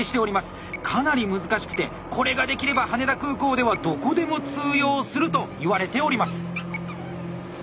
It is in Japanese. かなり難しくてこれができれば羽田空港ではどこでも通用するといわれております。